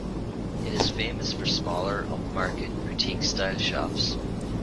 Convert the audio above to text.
It is famous for smaller upmarket boutique style shops.